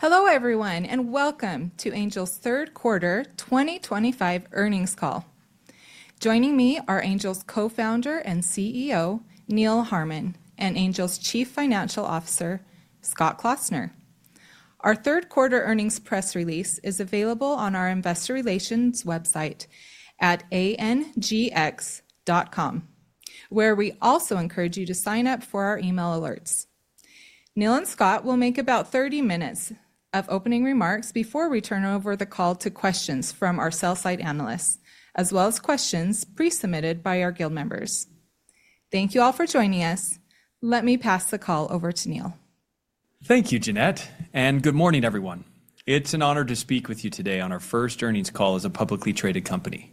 Hello everyone, and welcome to Angel's third quarter 2025 earnings call. Joining me are Angel's Co-founder and CEO, Neal Harmon, and Angel Studios' Chief Financial Officer, Scott Klosner. Our third quarter earnings press release is available on our investor relations website at angx.com, where we also encourage you to sign up for our email alerts. Neal and Scott will make about 30 minutes of opening remarks before we turn over the call to questions from our sell-side analysts, as well as questions pre-submitted by our Guild members. Thank you all for joining us. Let me pass the call over to Neal. Thank you, Jeannette, and good morning, everyone. It's an honor to speak with you today on our first earnings call as a publicly traded company.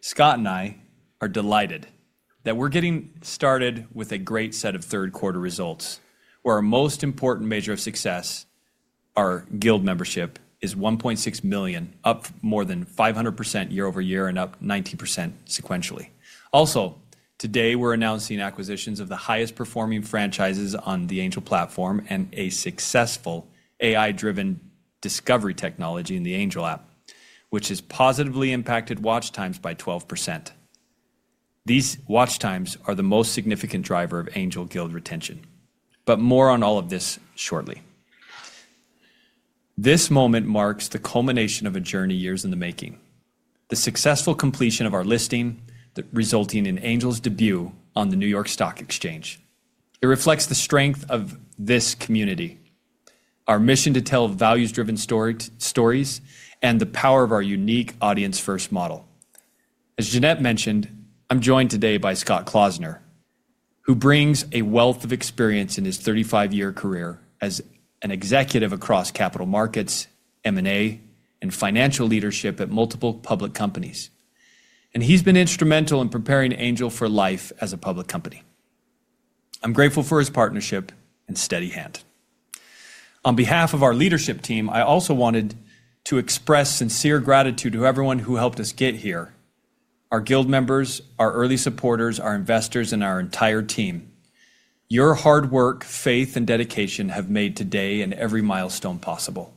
Scott and I are delighted that we're getting started with a great set of third quarter results, where our most important measure of success, our Guild membership, is 1.6 million, up more than 500% year over year and up 90% sequentially. Also, today we're announcing acquisitions of the highest performing franchises on the Angel platform and a successful AI-driven discovery technology in the Angel app, which has positively impacted watch times by 12%. These watch times are the most significant driver of Angel Guild retention, but more on all of this shortly. This moment marks the culmination of a journey years in the making, the successful completion of our listing resulting in Angel's debut on the New York Stock Exchange. It reflects the strength of this community, our mission to tell values-driven stories, and the power of our unique audience-first model. As Jeanette mentioned, I'm joined today by Scott Klossner, who brings a wealth of experience in his 35-year career as an executive across capital markets, M&A, and financial leadership at multiple public companies. He has been instrumental in preparing Angel for life as a public company. I'm grateful for his partnership and steady hand. On behalf of our leadership team, I also wanted to express sincere gratitude to everyone who helped us get here: our Guild members, our early supporters, our investors, and our entire team. Your hard work, faith, and dedication have made today and every milestone possible,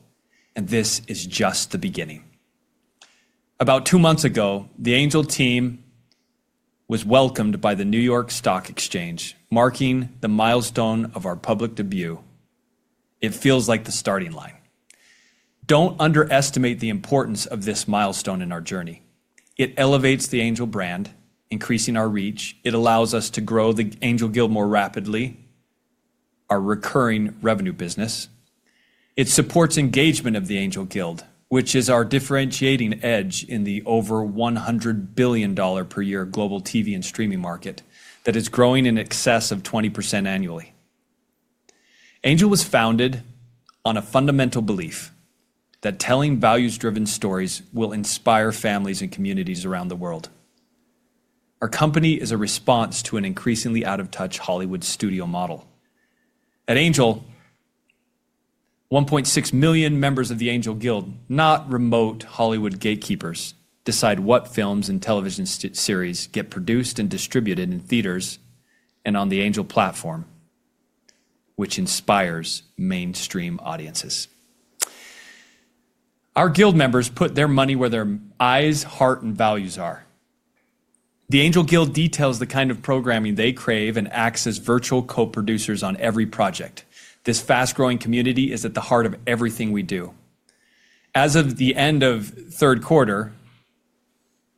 and this is just the beginning. About two months ago, the Angel team was welcomed by the New York Stock Exchange, marking the milestone of our public debut. It feels like the starting line. Do not underestimate the importance of this milestone in our journey. It elevates the Angel brand, increasing our reach. It allows us to grow the Angel Guild more rapidly, our recurring revenue business. It supports engagement of the Angel Guild, which is our differentiating edge in the over $100 billion per year global TV and streaming market that is growing in excess of 20% annually. Angel was founded on a fundamental belief that telling values-driven stories will inspire families and communities around the world. Our company is a response to an increasingly out-of-touch Hollywood studio model. At Angel, 1.6 million members of the Angel Guild, not remote Hollywood gatekeepers, decide what films and television series get produced and distributed in theaters and on the Angel platform, which inspires mainstream audiences. Our Guild members put their money where their eyes, heart, and values are. The Angel Guild details the kind of programming they crave and acts as virtual co-producers on every project. This fast-growing community is at the heart of everything we do. As of the end of third quarter,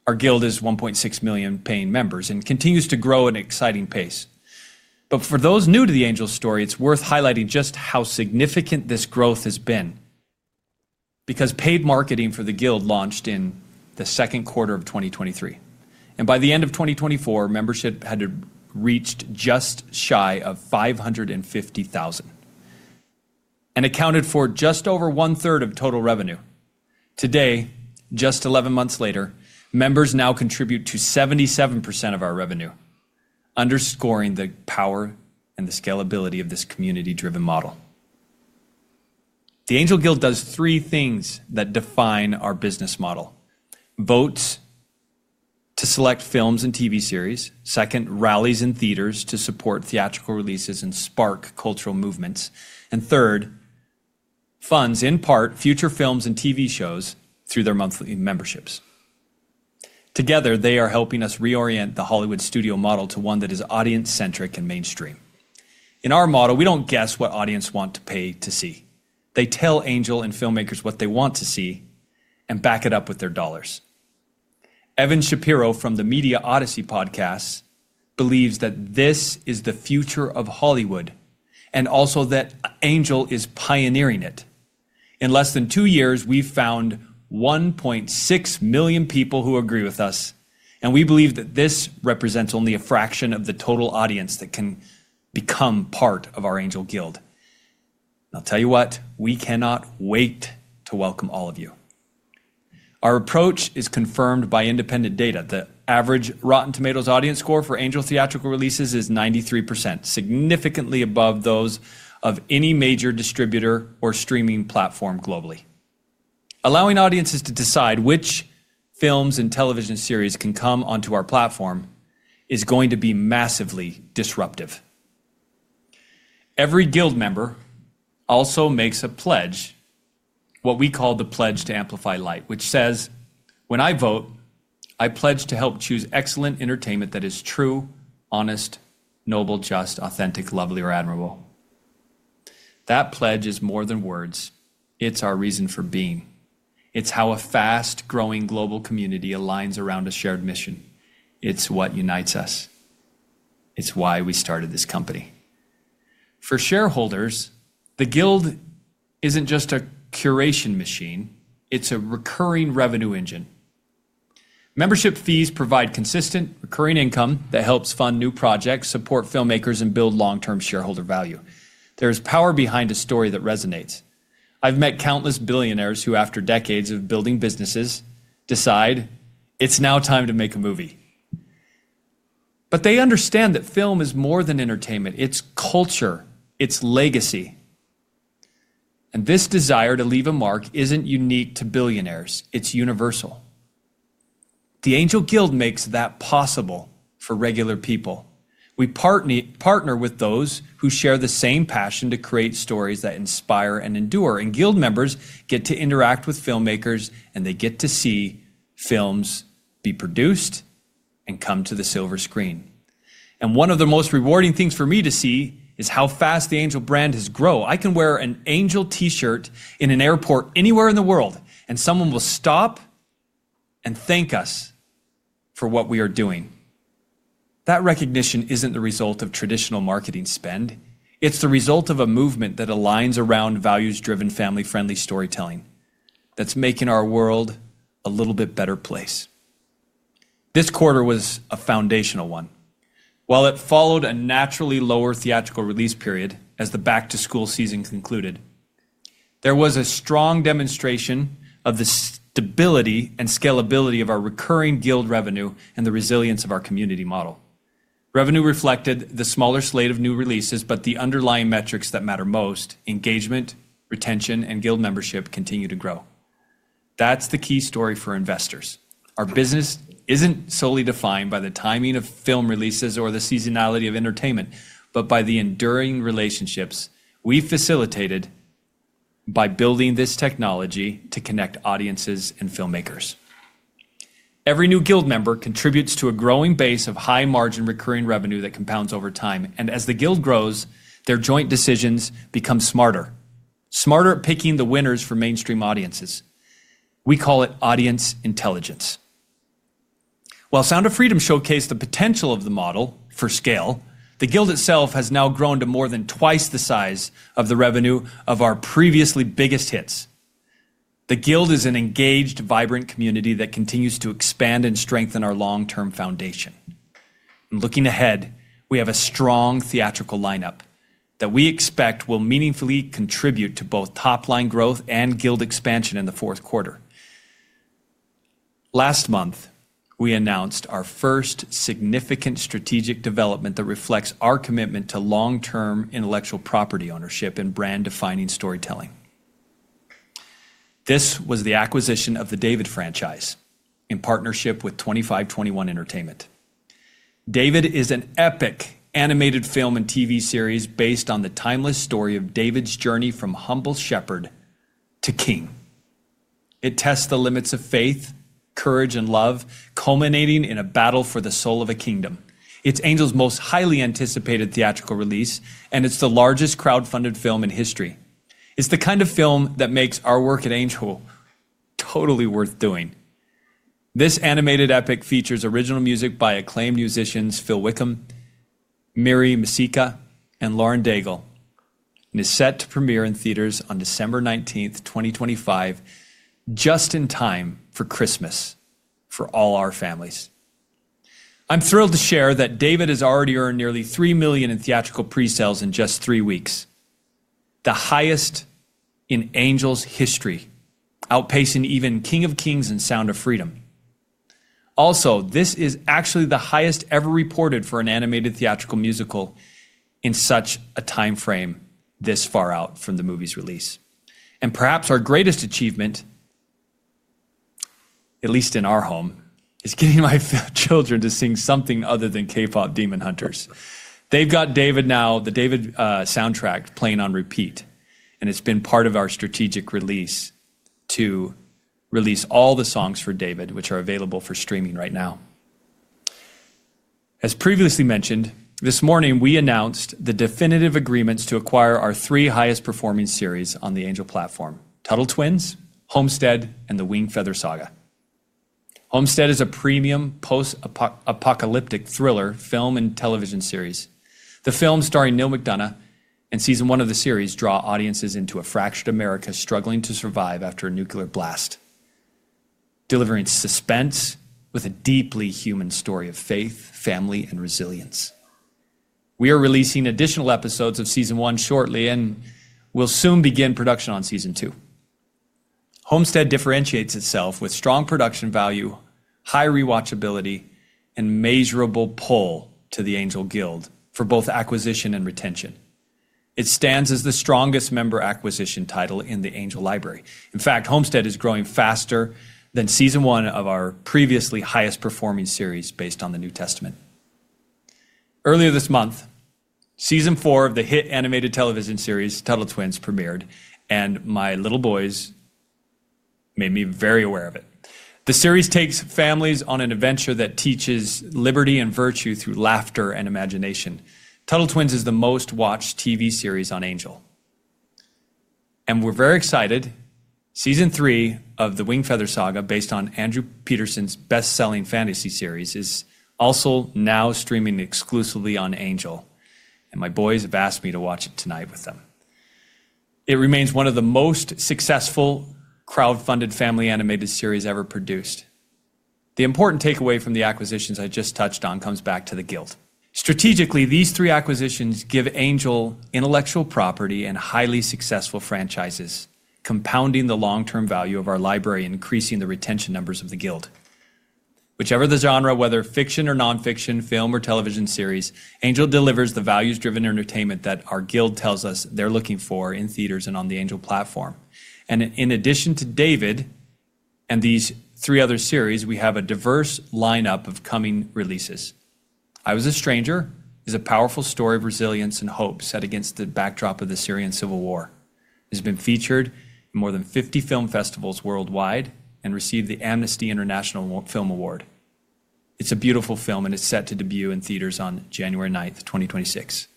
our Guild is 1.6 million paying members and continues to grow at an exciting pace. For those new to the Angel story, it's worth highlighting just how significant this growth has been because paid marketing for the Guild launched in the second quarter of 2023. By the end of 2024, membership had reached just shy of 550,000 and accounted for just over one-third of total revenue. Today, just 11 months later, members now contribute to 77% of our revenue, underscoring the power and the scalability of this community-driven model. The Angel Guild does three things that define our business model: votes to select films and TV series, second, rallies in theaters to support theatrical releases and spark cultural movements, and third, funds in part future films and TV shows through their monthly memberships. Together, they are helping us reorient the Hollywood studio model to one that is audience-centric and mainstream. In our model, we do not guess what audience wants to pay to see. They tell Angel and filmmakers what they want to see and back it up with their dollars. Evan Shapiro from the Media Odyssey podcast believes that this is the future of Hollywood and also that Angel is pioneering it. In less than two years, we have found 1.6 million people who agree with us, and we believe that this represents only a fraction of the total audience that can become part of our Angel Guild. I'll tell you what, we cannot wait to welcome all of you. Our approach is confirmed by independent data. The average Rotten Tomatoes audience score for Angel theatrical releases is 93%, significantly above those of any major distributor or streaming platform globally. Allowing audiences to decide which films and television series can come onto our platform is going to be massively disruptive. Every Guild member also makes a pledge, what we call the Pledge to Amplify Light, which says, "When I vote, I pledge to help choose excellent entertainment that is true, honest, noble, just, authentic, lovely, or admirable." That pledge is more than words. It's our reason for being. It's how a fast-growing global community aligns around a shared mission. It's what unites us. It's why we started this company. For shareholders, the Guild isn't just a curation machine. It's a recurring revenue engine. Membership fees provide consistent, recurring income that helps fund new projects, support filmmakers, and build long-term shareholder value. There is power behind a story that resonates. I've met countless billionaires who, after decades of building businesses, decide it's now time to make a movie. They understand that film is more than entertainment. It's culture. It's legacy. This desire to leave a mark isn't unique to billionaires. It's universal. The Angel Guild makes that possible for regular people. We partner with those who share the same passion to create stories that inspire and endure. Guild members get to interact with filmmakers, and they get to see films be produced and come to the silver screen. One of the most rewarding things for me to see is how fast the Angel brand has grown. I can wear an Angel T-shirt in an airport anywhere in the world, and someone will stop and thank us for what we are doing. That recognition is not the result of traditional marketing spend. It is the result of a movement that aligns around values-driven, family-friendly storytelling that is making our world a little bit better place. This quarter was a foundational one. While it followed a naturally lower theatrical release period as the back-to-school season concluded, there was a strong demonstration of the stability and scalability of our recurring Guild revenue and the resilience of our community model. Revenue reflected the smaller slate of new releases, but the underlying metrics that matter most, engagement, retention, and Guild membership, continue to grow. That is the key story for investors. Our business isn't solely defined by the timing of film releases or the seasonality of entertainment, but by the enduring relationships we've facilitated by building this technology to connect audiences and filmmakers. Every new Guild member contributes to a growing base of high-margin recurring revenue that compounds over time. As the Guild grows, their joint decisions become smarter, smarter at picking the winners for mainstream audiences. We call it audience intelligence. While Sound of Freedom showcased the potential of the model for scale, the Guild itself has now grown to more than twice the size of the revenue of our previously biggest hits. The Guild is an engaged, vibrant community that continues to expand and strengthen our long-term foundation. Looking ahead, we have a strong theatrical lineup that we expect will meaningfully contribute to both top-line growth and Guild expansion in the fourth quarter. Last month, we announced our first significant strategic development that reflects our commitment to long-term intellectual property ownership and brand-defining storytelling. This was the acquisition of the David franchise in partnership with 2521 Entertainment. David is an epic animated film and TV series based on the timeless story of David's journey from humble shepherd to king. It tests the limits of faith, courage, and love, culminating in a battle for the soul of a kingdom. It's Angel's most highly anticipated theatrical release, and it's the largest crowdfunded film in history. It's the kind of film that makes our work at Angel totally worth doing. This animated epic features original music by acclaimed musicians Phil Wickham, Miri Mesika, and Lauren Daigle, and is set to premiere in theaters on December 19th, 2025, just in time for Christmas for all our families. I'm thrilled to share that David has already earned nearly $3 million in theatrical pre-sales in just three weeks, the highest in Angel's history, outpacing even King of Kings and Sound of Freedom. This is actually the highest ever reported for an animated theatrical musical in such a timeframe this far out from the movie's release. Perhaps our greatest achievement, at least in our home, is getting my children to sing something other than K-pop Demon Hunters. They've got David now, the David soundtrack playing on repeat, and it's been part of our strategic release to release all the songs for David, which are available for streaming right now. As previously mentioned, this morning we announced the definitive agreements to acquire our three highest-performing series on the Angel platform: Tuttle Twins, Homestead, and The Wingfeather Saga. Homestead is a premium post-apocalyptic thriller film and television series. The film starring Neal McDonough and season one of the series draws audiences into a fractured America struggling to survive after a nuclear blast, delivering suspense with a deeply human story of faith, family, and resilience. We are releasing additional episodes of season one shortly, and we'll soon begin production on season two. Homestead differentiates itself with strong production value, high rewatchability, and a measurable pull to the Angel Guild for both acquisition and retention. It stands as the strongest member acquisition title in the Angel library. In fact, Homestead is growing faster than season one of our previously highest-performing series based on the New Testament. Earlier this month, season four of the hit animated television series Tuttle Twins premiered, and my little boys made me very aware of it. The series takes families on an adventure that teaches liberty and virtue through laughter and imagination. Tuttle Twins is the most watched TV series on Angel. We are very excited. Season three of The Wingfeather Saga, based on Andrew Peterson's best-selling fantasy series, is also now streaming exclusively on Angel, and my boys have asked me to watch it tonight with them. It remains one of the most successful crowdfunded family animated series ever produced. The important takeaway from the acquisitions I just touched on comes back to the Guild. Strategically, these three acquisitions give Angel intellectual property and highly successful franchises, compounding the long-term value of our library and increasing the retention numbers of the Guild. Whichever the genre, whether fiction or nonfiction, film or television series, Angel delivers the values-driven entertainment that our Guild tells us they are looking for in theaters and on the Angel platform. In addition to David and these three other series, we have a diverse lineup of coming releases. I Was a Stranger is a powerful story of resilience and hope set against the backdrop of the Syrian Civil War. It has been featured in more than 50 film festivals worldwide and received the Amnesty International Film Award. It is a beautiful film, and it is set to debut in theaters on January 9th, 2026.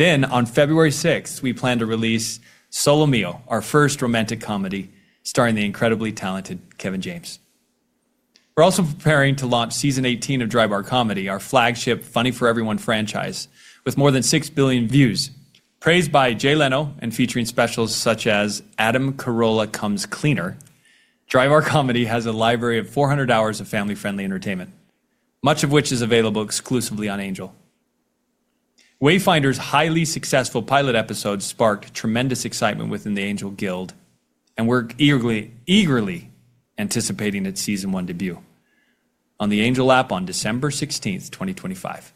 On February 6th, we plan to release Solo Meal, our first romantic comedy starring the incredibly talented Kevin James. We are also preparing to launch season 18 of Dry Bar Comedy, our flagship Funny for Everyone franchise. With more than 6 billion views, praised by Jay Leno and featuring specials such as Adam Carolla Comes Cleaner, Dry Bar Comedy has a library of 400 hours of family-friendly entertainment, much of which is available exclusively on Angel. Wayfinder's highly successful pilot episodes sparked tremendous excitement within the Angel Guild, and we're eagerly anticipating its season one debut on the Angel app on December 16th, 2025.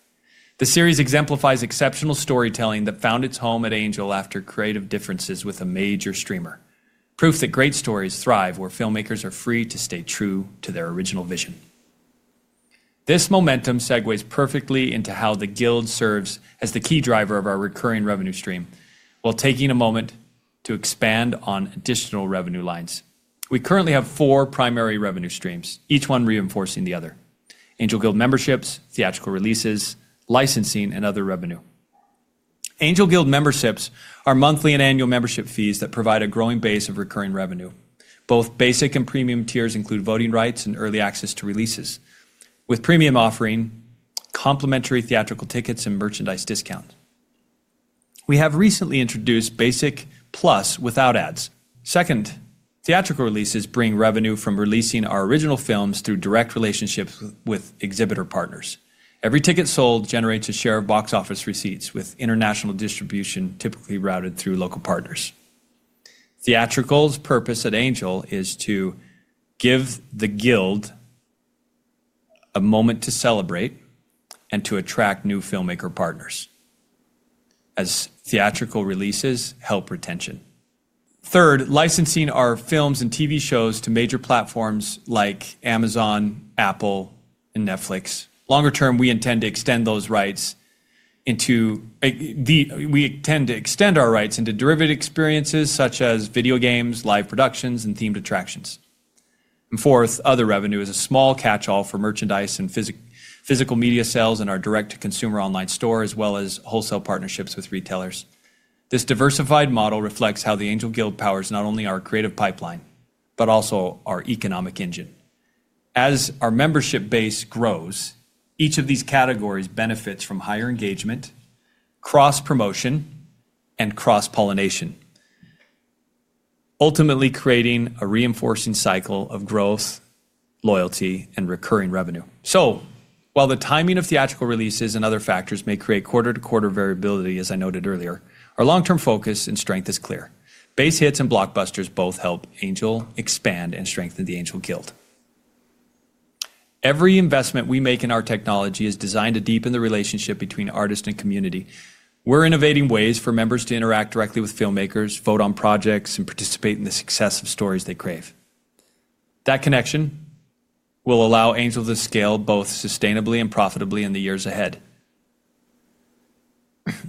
The series exemplifies exceptional storytelling that found its home at Angel after creative differences with a major streamer, proof that great stories thrive where filmmakers are free to stay true to their original vision. This momentum segues perfectly into how the Guild serves as the key driver of our recurring revenue stream while taking a moment to expand on additional revenue lines. We currently have four primary revenue streams, each one reinforcing the other: Angel Guild memberships, theatrical releases, licensing, and other revenue. Angel Guild memberships are monthly and annual membership fees that provide a growing base of recurring revenue. Both basic and premium tiers include voting rights and early access to releases, with premium offering complimentary theatrical tickets and merchandise discounts. We have recently introduced basic plus without ads. Second, theatrical releases bring revenue from releasing our original films through direct relationships with exhibitor partners. Every ticket sold generates a share of box office receipts, with international distribution typically routed through local partners. Theatrical's purpose at Angel Studios is to give the Guild a moment to celebrate and to attract new filmmaker partners, as theatrical releases help retention. Third, licensing our films and TV shows to major platforms like Amazon, Apple, and Netflix. Longer term, we intend to extend our rights into derivative experiences such as video games, live productions, and themed attractions. Fourth, other revenue is a small catch-all for merchandise and physical media sales in our direct-to-consumer online store, as well as wholesale partnerships with retailers. This diversified model reflects how the Angel Guild powers not only our creative pipeline but also our economic engine. As our membership base grows, each of these categories benefits from higher engagement, cross-promotion, and cross-pollination, ultimately creating a reinforcing cycle of growth, loyalty, and recurring revenue. While the timing of theatrical releases and other factors may create quarter-to-quarter variability, as I noted earlier, our long-term focus and strength is clear. Base hits and blockbusters both help Angel expand and strengthen the Angel Guild. Every investment we make in our technology is designed to deepen the relationship between artists and community. We are innovating ways for members to interact directly with filmmakers, vote on projects, and participate in the success of stories they crave. That connection will allow Angel to scale both sustainably and profitably in the years ahead.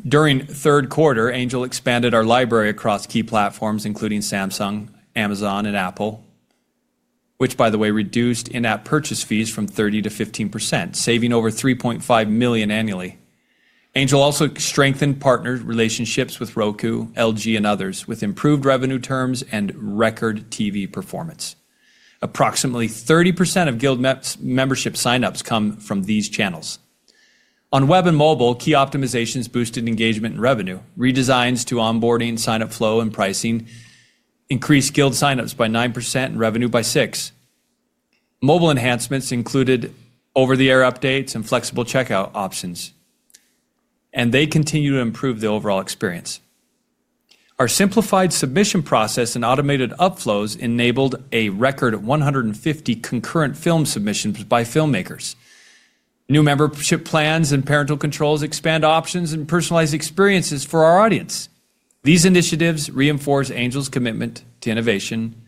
During third quarter, Angel expanded our library across key platforms, including Samsung, Amazon, and Apple, which, by the way, reduced in-app purchase fees from 30% to 15%, saving over $3.5 million annually. Angel also strengthened partner relationships with Roku, LG, and others, with improved revenue terms and record TV performance. Approximately 30% of Guild membership signups come from these channels. On web and mobile, key optimizations boosted engagement and revenue. Redesigns to onboarding, signup flow, and pricing increased Guild signups by 9% and revenue by 6%. Mobile enhancements included over-the-air updates and flexible checkout options, and they continue to improve the overall experience. Our simplified submission process and automated upflows enabled a record 150 concurrent film submissions by filmmakers. New membership plans and parental controls expand options and personalized experiences for our audience. These initiatives reinforce Angel's commitment to innovation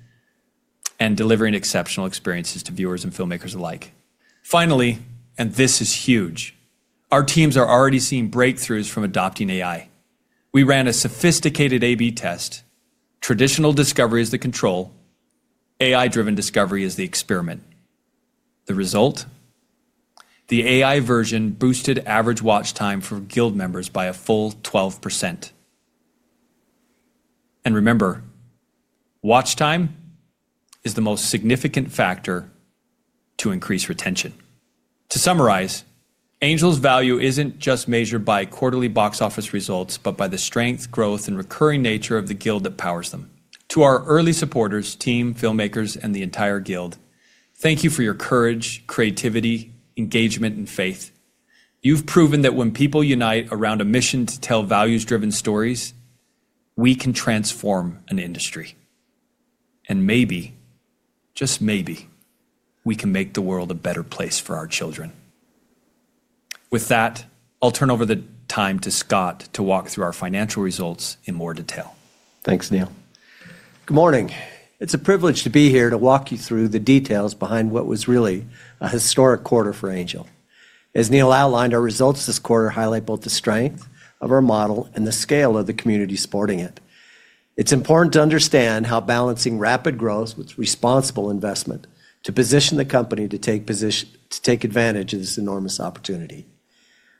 and delivering exceptional experiences to viewers and filmmakers alike. Finally, and this is huge, our teams are already seeing breakthroughs from adopting AI. We ran a sophisticated A/B test: traditional discovery is the control, AI-driven discovery is the experiment. The result? The AI version boosted average watch time for Guild members by a full 12%. And remember, watch time is the most significant factor to increase retention. To summarize, Angel's value isn't just measured by quarterly box office results, but by the strength, growth, and recurring nature of the Guild that powers them. To our early supporters, team, filmmakers, and the entire Guild, thank you for your courage, creativity, engagement, and faith. You've proven that when people unite around a mission to tell values-driven stories, we can transform an industry. And maybe, just maybe, we can make the world a better place for our children. With that, I'll turn over the time to Scott to walk through our financial results in more detail. Thanks, Neal. Good morning. It's a privilege to be here to walk you through the details behind what was really a historic quarter for Angel. As Neal outlined, our results this quarter highlight both the strength of our model and the scale of the community supporting it. It's important to understand how balancing rapid growth with responsible investment to position the company to take advantage of this enormous opportunity.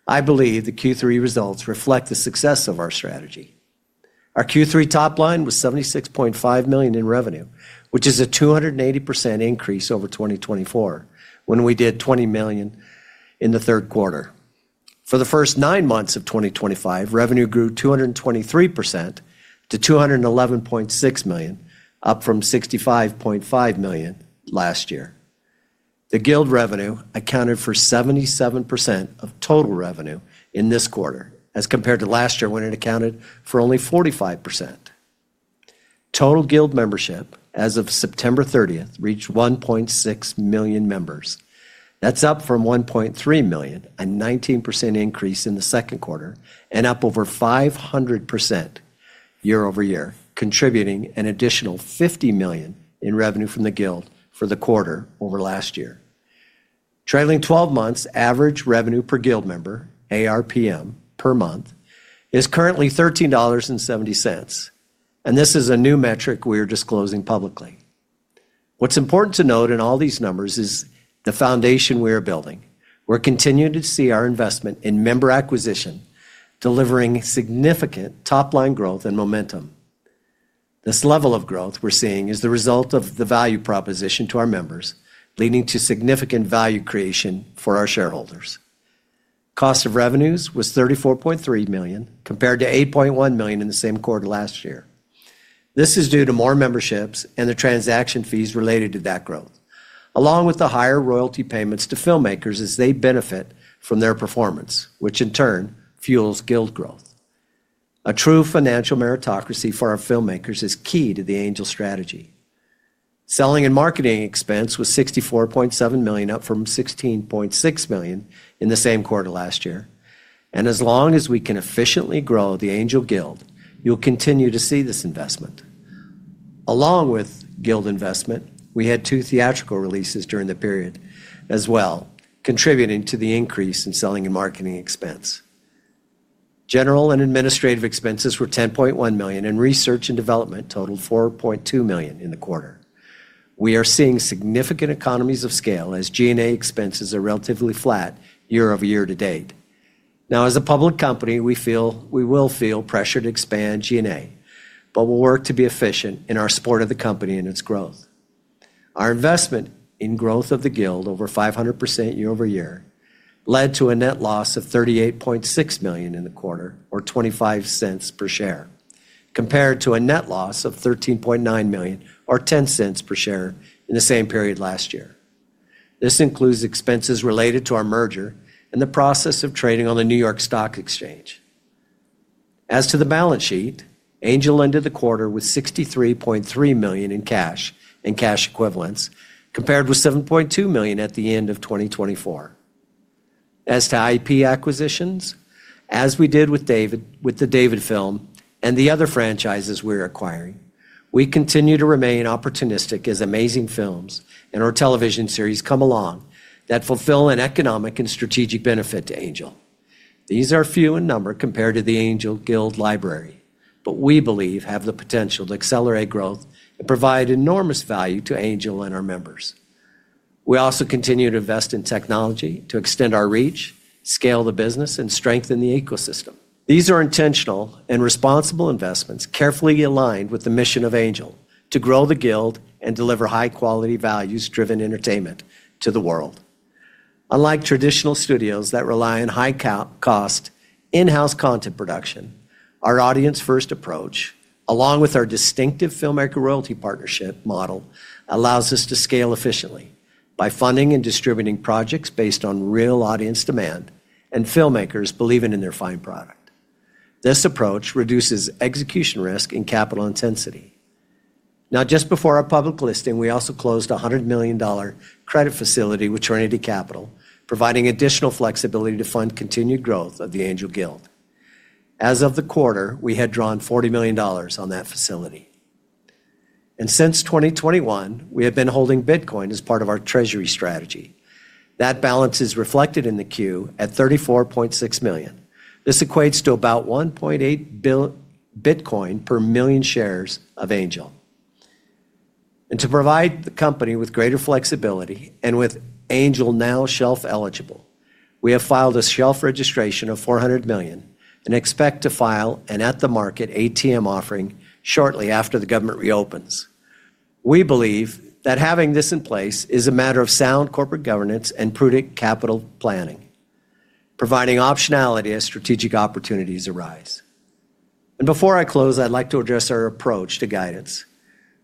I believe the Q3 results reflect the success of our strategy. Our Q3 top line was $76.5 million in revenue, which is a 280% increase over 2024 when we did $20 million in the third quarter. For the first nine months of 2025, revenue grew 223% to $211.6 million, up from $65.5 million last year. The Guild revenue accounted for 77% of total revenue in this quarter, as compared to last year when it accounted for only 45%. Total Guild membership, as of September 30th, reached 1.6 million members. That's up from 1.3 million, a 19% increase in the second quarter, and up over 500% year over year, contributing an additional $50 million in revenue from the Guild for the quarter over last year. Trailing 12 months, average revenue per Guild member, ARPM, per month is currently $13.70, and this is a new metric we are disclosing publicly. What's important to note in all these numbers is the foundation we are building. We're continuing to see our investment in member acquisition delivering significant top-line growth and momentum. This level of growth we're seeing is the result of the value proposition to our members, leading to significant value creation for our shareholders. Cost of revenues was $34.3 million compared to $8.1 million in the same quarter last year. This is due to more memberships and the transaction fees related to that growth, along with the higher royalty payments to filmmakers as they benefit from their performance, which in turn fuels Guild growth. A true financial meritocracy for our filmmakers is key to the Angel strategy. Selling and marketing expense was $64.7 million, up from $16.6 million in the same quarter last year. As long as we can efficiently grow the Angel Guild, you'll continue to see this investment. Along with Guild investment, we had two theatrical releases during the period as well, contributing to the increase in selling and marketing expense. General and administrative expenses were $10.1 million, and research and development totaled $4.2 million in the quarter. We are seeing significant economies of scale as G&A expenses are relatively flat year over year to date. Now, as a public company, we feel we will feel pressured to expand G&A, but we'll work to be efficient in our support of the company and its growth. Our investment in growth of the Guild, over 500% year over year, led to a net loss of $38.6 million in the quarter, or $0.25 per share, compared to a net loss of $13.9 million, or $0.10 per share, in the same period last year. This includes expenses related to our merger and the process of trading on the New York Stock Exchange. As to the balance sheet, Angel ended the quarter with $63.3 million in cash and cash equivalents, compared with $7.2 million at the end of 2024. As to IP acquisitions, as we did with David, with the David film and the other franchises we're acquiring, we continue to remain opportunistic as amazing films and our television series come along that fulfill an economic and strategic benefit to Angel. These are few in number compared to the Angel Guild library, but we believe have the potential to accelerate growth and provide enormous value to Angel and our members. We also continue to invest in technology to extend our reach, scale the business, and strengthen the ecosystem. These are intentional and responsible investments carefully aligned with the mission of Angel to grow the Guild and deliver high-quality values-driven entertainment to the world. Unlike traditional studios that rely on high-cost in-house content production, our audience-first approach, along with our distinctive filmmaker royalty partnership model, allows us to scale efficiently by funding and distributing projects based on real audience demand and filmmakers believing in their fine product. This approach reduces execution risk and capital intensity. Now, just before our public listing, we also closed a $100 million credit facility with Trinity Capital, providing additional flexibility to fund continued growth of the Angel Guild. As of the quarter, we had drawn $40 million on that facility. Since 2021, we have been holding Bitcoin as part of our treasury strategy. That balance is reflected in the queue at $34.6 million. This equates to about 1.8 million Bitcoin per million shares of Angel. To provide the company with greater flexibility and with Angel now shelf-eligible, we have filed a shelf registration of $400 million and expect to file an at-the-market ATM offering shortly after the government reopens. We believe that having this in place is a matter of sound corporate governance and prudent capital planning, providing optionality as strategic opportunities arise. Before I close, I'd like to address our approach to guidance.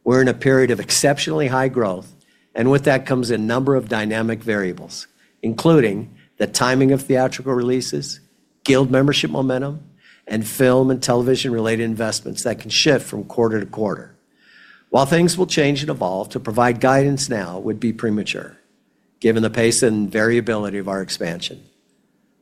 We're in a period of exceptionally high growth, and with that comes a number of dynamic variables, including the timing of theatrical releases, Guild membership momentum, and film and television-related investments that can shift from quarter to quarter. While things will change and evolve, to provide guidance now would be premature, given the pace and variability of our expansion.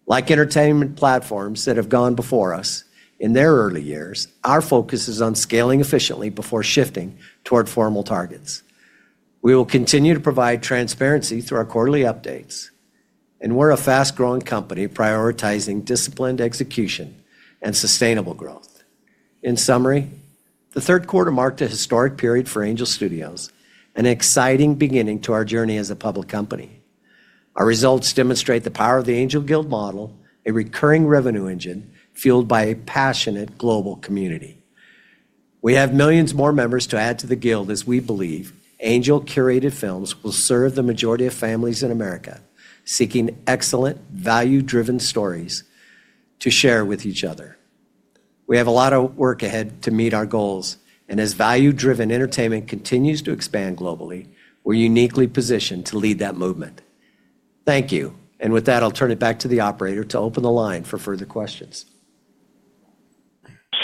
Like entertainment platforms that have gone before us in their early years, our focus is on scaling efficiently before shifting toward formal targets. We will continue to provide transparency through our quarterly updates, and we're a fast-growing company prioritizing disciplined execution and sustainable growth. In summary, the third quarter marked a historic period for Angel Studios, an exciting beginning to our journey as a public company. Our results demonstrate the power of the Angel Guild model, a recurring revenue engine fueled by a passionate global community. We have millions more members to add to the Guild, as we believe Angel-curated films will serve the majority of families in America seeking excellent value-driven stories to share with each other. We have a lot of work ahead to meet our goals, and as value-driven entertainment continues to expand globally, we're uniquely positioned to lead that movement. Thank you. With that, I'll turn it back to the operator to open the line for further questions.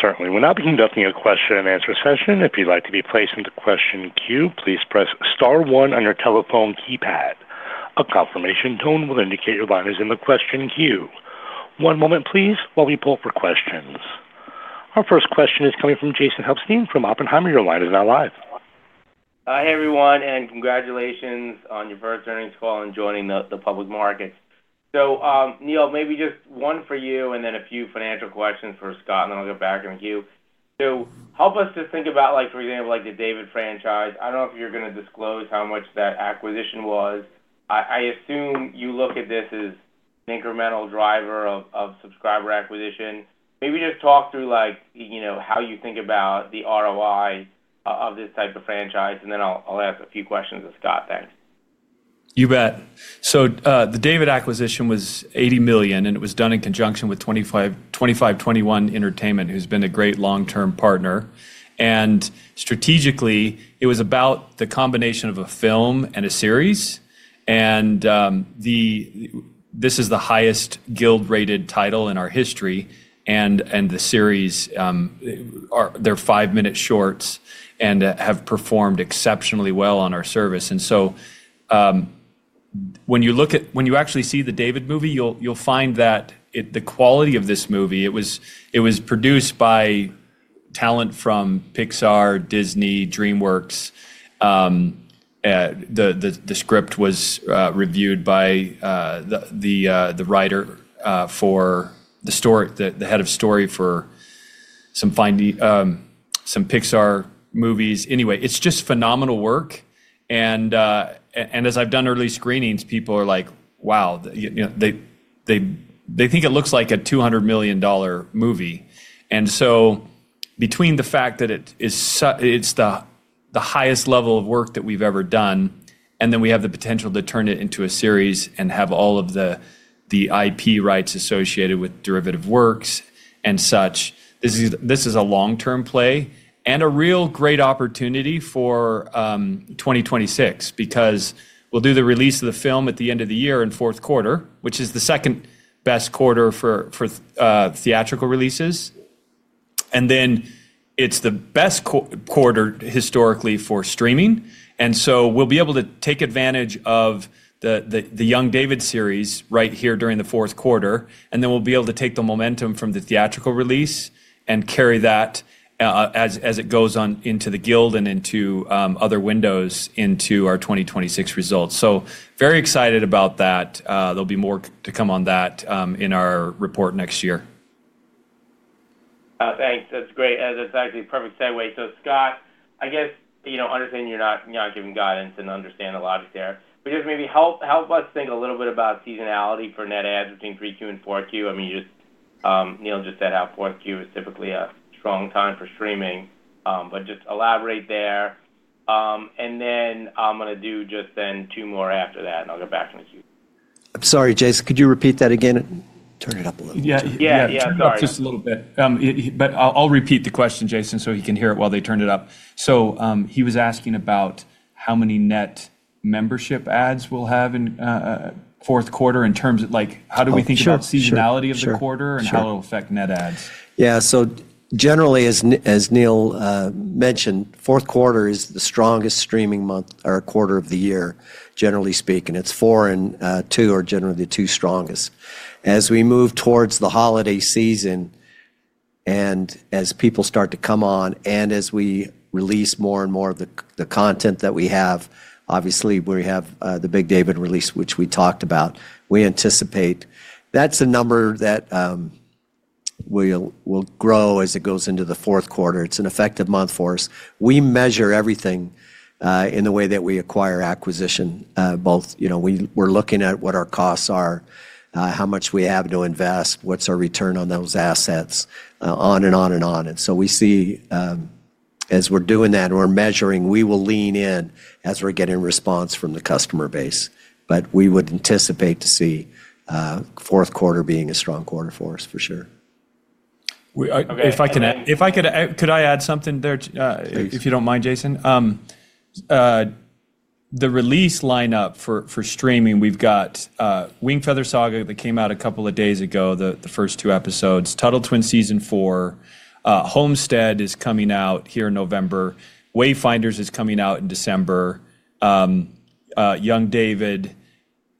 Certainly. We're now beginning to have a question-and-answer session. If you'd like to be placed into the question queue, please press star one on your telephone keypad. A confirmation tone will indicate your line is in the question queue. One moment, please, while we pull for questions. Our first question is coming from Jason Helstein from Oppenheimer. Your line is now live. Hi everyone, and congratulations on your first earnings call and joining the public markets. Neal, maybe just one for you and then a few financial questions for Scott, and then I'll get back in with you. Help us to think about, for example, the David franchise. I don't know if you're going to disclose how much that acquisition was. I assume you look at this as an incremental driver of subscriber acquisition. Maybe just talk through how you think about the ROI of this type of franchise, and then I'll ask a few questions of Scott. Thanks. You bet. The David acquisition was $80 million, and it was done in conjunction with 2521 Entertainment, who's been a great long-term partner. Strategically, it was about the combination of a film and a series. This is the highest Guild-rated title in our history, and the series, they're five-minute shorts and have performed exceptionally well on our service. When you actually see the David movie, you'll find that the quality of this movie, it was produced by talent from Pixar, Disney, DreamWorks. The script was reviewed by the head of story for some Pixar movies. Anyway, it's just phenomenal work. As I've done early screenings, people are like, "Wow." They think it looks like a $200 million movie. Between the fact that it's the highest level of work that we've ever done, and then we have the potential to turn it into a series and have all of the IP rights associated with derivative works and such, this is a long-term play and a real great opportunity for 2026 because we'll do the release of the film at the end of the year in fourth quarter, which is the second best quarter for theatrical releases. It is the best quarter historically for streaming. We'll be able to take advantage of the Young David series right here during the fourth quarter, and then we'll be able to take the momentum from the theatrical release and carry that as it goes on into the Guild and into other windows into our 2026 results. Very excited about that. There will be more to come on that in our report next year. Thanks. That's great. That's actually a perfect segue. Scott, I guess understanding you're not giving guidance and understand the logic there, but just maybe help us think a little bit about seasonality for net ads between pre-queue and four-queue. I mean, Neal just said how four-queue is typically a strong time for streaming, but just elaborate there. I'm going to do just then two more after that, and I'll get back in the queue. I'm sorry, Jason, could you repeat that again? Turn it up a little bit. Yeah, yeah, sorry. Just a little bit. I'll repeat the question, Jason, so he can hear it while they turn it up. He was asking about how many net membership ads we'll have in fourth quarter in terms of how do we think about seasonality of the quarter and how it'll affect net ads. Yeah. Generally, as Neal mentioned, fourth quarter is the strongest streaming month or quarter of the year, generally speaking. Four and two are generally the two strongest. As we move towards the holiday season and as people start to come on and as we release more and more of the content that we have, obviously, we have the big David release, which we talked about. We anticipate that's a number that will grow as it goes into the fourth quarter. It's an effective month for us. We measure everything in the way that we acquire acquisition. Both we're looking at what our costs are, how much we have to invest, what's our return on those assets, on and on and on. We see as we're doing that and we're measuring, we will lean in as we're getting response from the customer base. We would anticipate to see fourth quarter being a strong quarter for us, for sure. If I could add something there, if you don't mind, Jason. The release lineup for streaming, we've got The Wingfeather Saga that came out a couple of days ago, the first two episodes, Tuttle Twins Season 4, Homestead is coming out here in November, Wayfinder is coming out in December, Young David.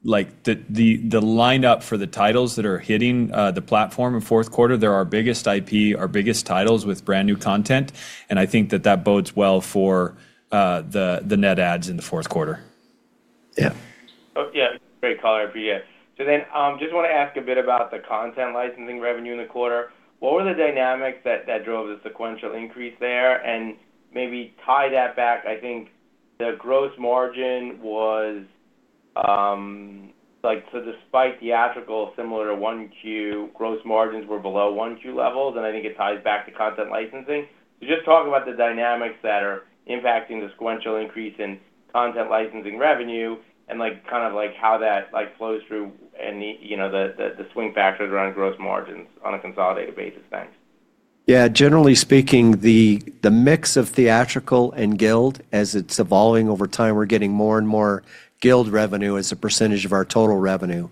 The lineup for the titles that are hitting the platform in fourth quarter, they're our biggest IP, our biggest titles with brand new content. I think that that bodes well for the net ads in the fourth quarter. Yeah. Yeah. Great color. I just want to ask a bit about the content licensing revenue in the quarter. What were the dynamics that drove the sequential increase there? Maybe tie that back, I think the gross margin was, so despite theatrical, similar to one-queue, gross margins were below one-queue levels, and I think it ties back to content licensing. Just talk about the dynamics that are impacting the sequential increase in content licensing revenue and kind of how that flows through and the swing factors around gross margins on a consolidated basis. Thanks. Yeah. Generally speaking, the mix of theatrical and Guild, as it's evolving over time, we're getting more and more Guild revenue as a percentage of our total revenue.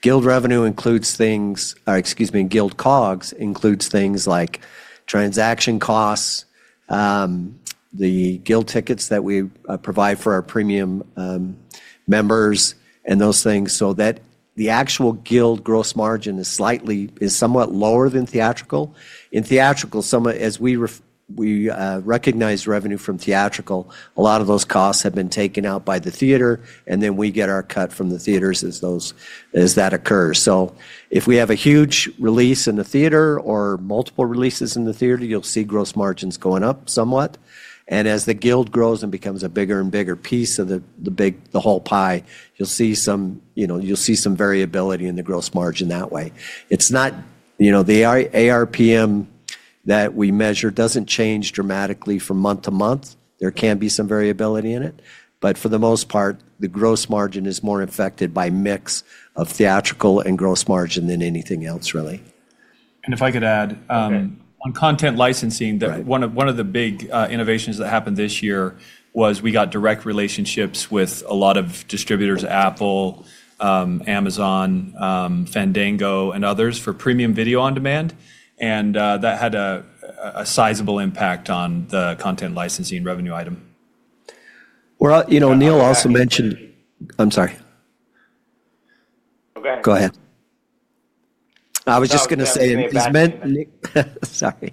Guild revenue includes things, excuse me, Guild cogs includes things like transaction costs, the Guild tickets that we provide for our premium members, and those things. So the actual Guild gross margin is somewhat lower than theatrical. In theatrical, as we recognize revenue from theatrical, a lot of those costs have been taken out by the theater, and then we get our cut from the theaters as that occurs. If we have a huge release in the theater or multiple releases in the theater, you'll see gross margins going up somewhat. As the Guild grows and becomes a bigger and bigger piece of the whole pie, you'll see some variability in the gross margin that way. It's not the ARPM that we measure doesn't change dramatically from month to month. There can be some variability in it. For the most part, the gross margin is more affected by mix of theatrical and gross margin than anything else, really. If I could add, on content licensing, one of the big innovations that happened this year was we got direct relationships with a lot of distributors, Apple, Amazon, Fandango, and others for premium video on demand. That had a sizable impact on the content licensing revenue item. Neal also mentioned—I'm sorry. Go ahead. I was just going to say, sorry.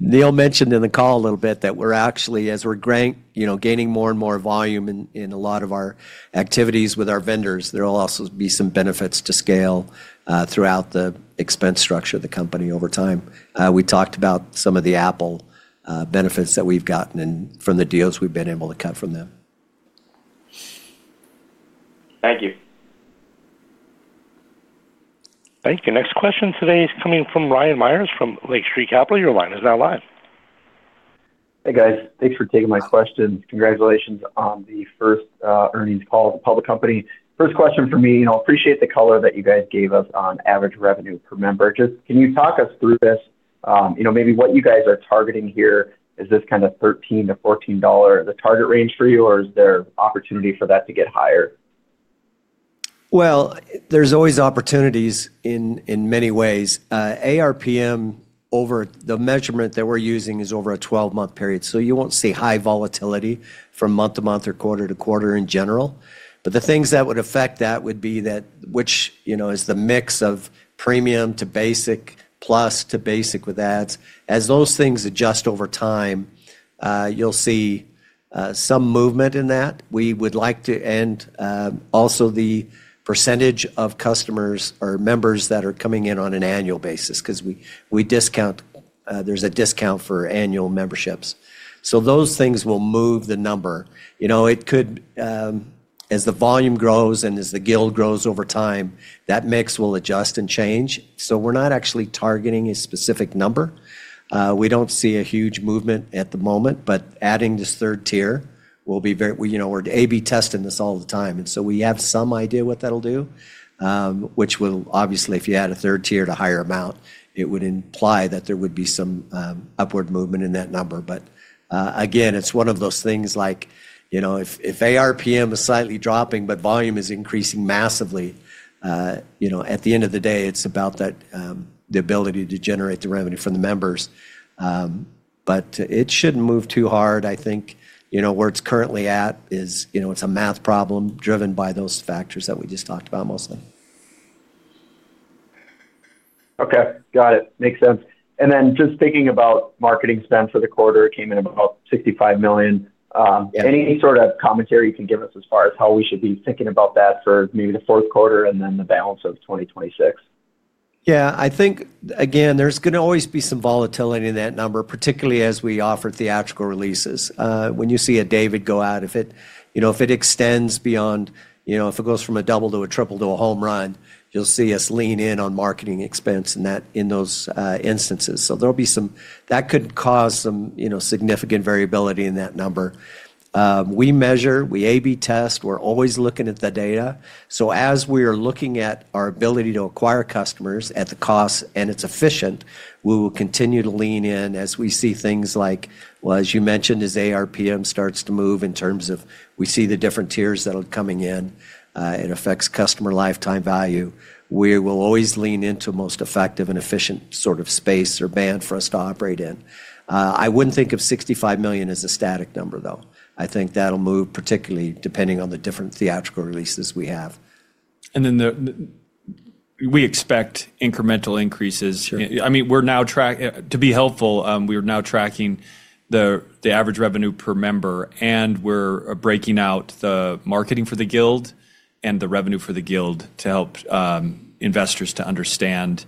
Neal mentioned in the call a little bit that we're actually, as we're gaining more and more volume in a lot of our activities with our vendors, there'll also be some benefits to scale throughout the expense structure of the company over time. We talked about some of the Apple benefits that we've gotten from the deals we've been able to cut from them. Thank you. Thank you. Next question today is coming from Ryan Meyers from Lake Street Capital. Your line is now live. Hey, guys. Thanks for taking my question. Congratulations on the first earnings call at the public company. First question for me, I appreciate the color that you guys gave us on average revenue per member. Just can you talk us through this? Maybe what you guys are targeting here is this kind of $13-$14 the target range for you, or is there opportunity for that to get higher? There is always opportunities in many ways. ARPM, the measurement that we're using is over a 12-month period. You won't see high volatility from month to month or quarter to quarter in general. The things that would affect that would be that which is the mix of premium to basic, plus to basic with ads. As those things adjust over time, you'll see some movement in that. We would like to end also the percentage of customers or members that are coming in on an annual basis because we discount, there's a discount for annual memberships. Those things will move the number. It could, as the volume grows and as the Guild grows over time, that mix will adjust and change. We're not actually targeting a specific number. We don't see a huge movement at the moment, but adding this third tier will be very, we're A/B testing this all the time. We have some idea what that'll do, which will obviously, if you add a third tier to a higher amount, it would imply that there would be some upward movement in that number. If ARPM is slightly dropping, but volume is increasing massively, at the end of the day, it's about the ability to generate the revenue from the members. It shouldn't move too hard. I think where it's currently at is it's a math problem driven by those factors that we just talked about mostly. Okay. Got it. Makes sense. Just thinking about marketing spend for the quarter, it came in about $65 million. Any sort of commentary you can give us as far as how we should be thinking about that for maybe the fourth quarter and then the balance of 2026? Yeah. I think, again, there's going to always be some volatility in that number, particularly as we offer theatrical releases. When you see a David go out, if it extends beyond, if it goes from a double to a triple to a home run, you'll see us lean in on marketing expense in those instances. There'll be some that could cause some significant variability in that number. We measure, we A/B test, we're always looking at the data. As we are looking at our ability to acquire customers at the cost and it's efficient, we will continue to lean in as we see things like, as you mentioned, as ARPM starts to move in terms of we see the different tiers that are coming in, it affects customer lifetime value. We will always lean into most effective and efficient sort of space or band for us to operate in. I would not think of 65 million as a static number, though. I think that will move particularly depending on the different theatrical releases we have. I mean, we expect incremental increases. I mean, we are now tracking, to be helpful, we are now tracking the average revenue per member, and we are breaking out the marketing for the Guild and the revenue for the Guild to help investors to understand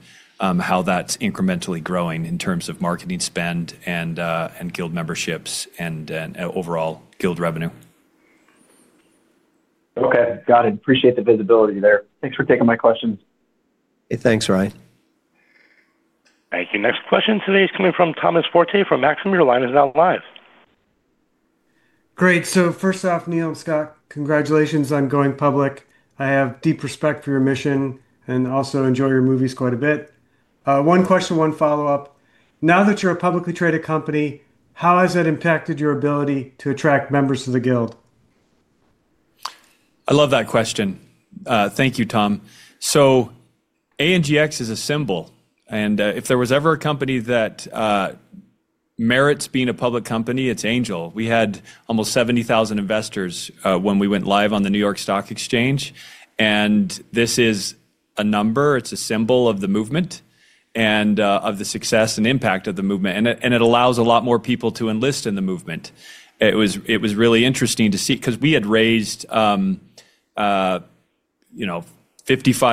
how that is incrementally growing in terms of marketing spend and Guild memberships and overall Guild revenue. Okay. Got it. Appreciate the visibility there. Thanks for taking my questions. Hey, thanks, Ryan. Thank you. Next question today is coming from Thomas Forte from Maxim. Your line is now live. Great. First off, Neal and Scott, congratulations on going public. I have deep respect for your mission and also enjoy your movies quite a bit. One question, one follow-up. Now that you're a publicly traded company, how has that impacted your ability to attract members of the Guild? I love that question. Thank you, Tom. ANGX is a symbol. If there was ever a company that merits being a public company, it's Angel. We had almost 70,000 investors when we went live on the New York Stock Exchange. This is a number. It's a symbol of the movement and of the success and impact of the movement. It allows a lot more people to enlist in the movement. It was really interesting to see because we had raised $55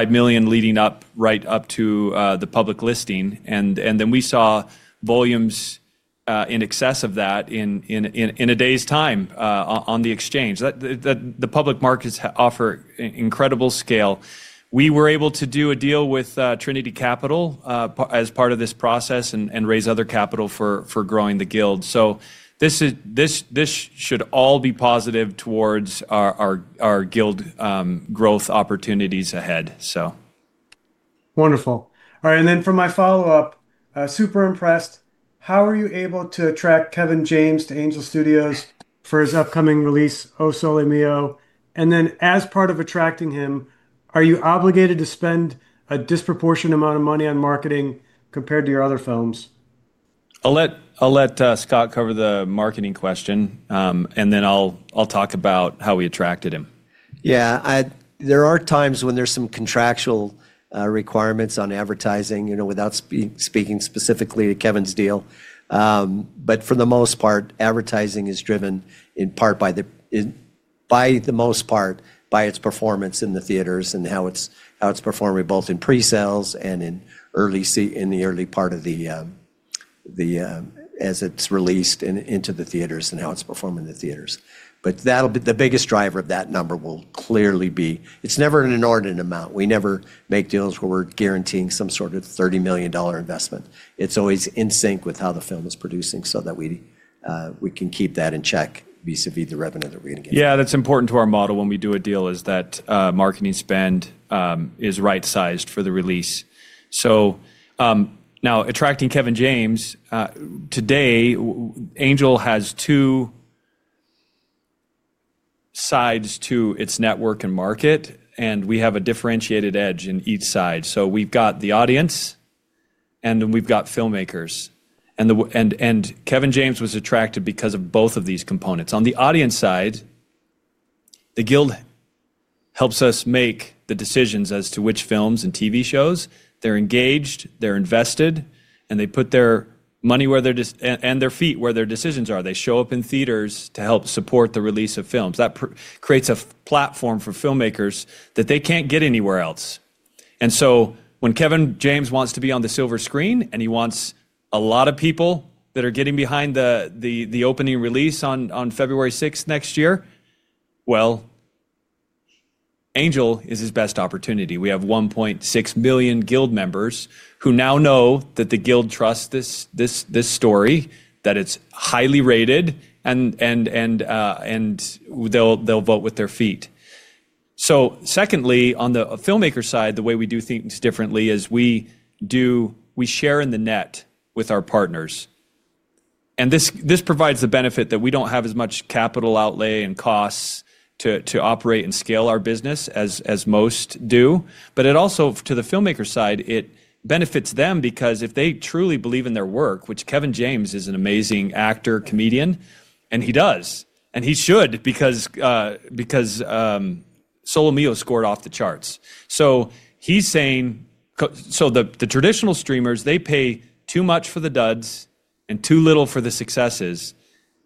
million leading right up to the public listing. Then we saw volumes in excess of that in a day's time on the exchange. The public markets offer incredible scale. We were able to do a deal with Trinity Capital as part of this process and raise other capital for growing the Guild. This should all be positive towards our Guild growth opportunities ahead. Wonderful. All right. For my follow-up, super impressed. How are you able to attract Kevin James to Angel Studios for his upcoming release, Solo Mio? As part of attracting him, are you obligated to spend a disproportionate amount of money on marketing compared to your other films? I'll let Scott cover the marketing question, and then I'll talk about how we attracted him. Yeah. There are times when there's some contractual requirements on advertising without speaking specifically to Kevin's deal. For the most part, advertising is driven in part by its performance in the theaters and how it's performing both in presales and in the early part of the, as it's released into the theaters and how it's performing in the theaters. The biggest driver of that number will clearly be it's never an inordinate amount. We never make deals where we're guaranteeing some sort of $30 million investment. It's always in sync with how the film is producing so that we can keep that in check vis-à-vis the revenue that we're going to get. Yeah. That's important to our model when we do a deal is that marketing spend is right-sized for the release. Now, attracting Kevin James, today, Angel has two sides to its network and market, and we have a differentiated edge in each side. We've got the audience, and then we've got filmmakers. Kevin James was attracted because of both of these components. On the audience side, the Guild helps us make the decisions as to which films and TV shows. They're engaged, they're invested, and they put their money and their feet where their decisions are. They show up in theaters to help support the release of films. That creates a platform for filmmakers that they can't get anywhere else. When Kevin James wants to be on the silver screen and he wants a lot of people that are getting behind the opening release on February 6th next year, Angel is his best opportunity. We have 1.6 billion Guild members who now know that the Guild trusts this story, that it's highly rated, and they'll vote with their feet. Secondly, on the filmmaker side, the way we do things differently is we share in the net with our partners. This provides the benefit that we do not have as much capital outlay and costs to operate and scale our business as most do. It also, to the filmmaker side, benefits them because if they truly believe in their work, which Kevin James is an amazing actor, comedian, and he does, and he should because Solo Mio scored off the charts. He is saying the traditional streamers pay too much for the duds and too little for the successes.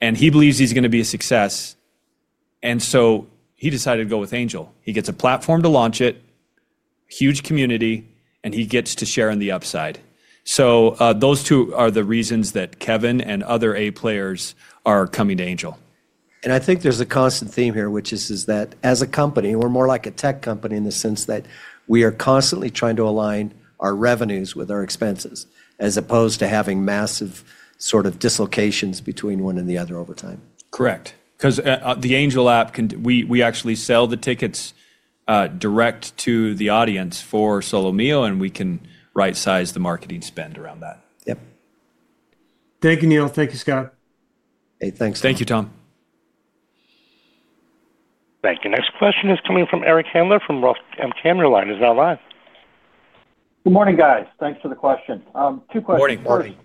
He believes he is going to be a success. He decided to go with Angel. He gets a platform to launch it, huge community, and he gets to share in the upside. Those two are the reasons that Kevin and other A players are coming to Angel. I think there's a constant theme here, which is that as a company, we're more like a tech company in the sense that we are constantly trying to align our revenues with our expenses as opposed to having massive sort of dislocations between one and the other over time. Correct. Because the Angel app, we actually sell the tickets direct to the audience for Solo Mio, and we can right-size the marketing spend around that. Yep. Thank you, Neal. Thank you, Scott. Hey, thanks, Tom. Thank you, Tom. Thank you. Next question is coming from Eric Handler from ROTH your line is now live. Good morning, guys. Thanks for the question. Two questions. Good morning.